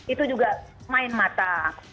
itu juga main mata